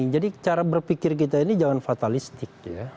jadi cara berpikir kita ini jangan fatalistik